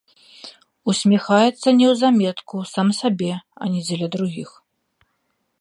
Усміхаецца неўзаметку, сам сабе, а не дзеля другіх.